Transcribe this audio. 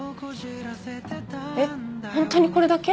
えっホントにこれだけ？